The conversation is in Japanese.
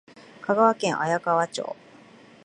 香川県綾川町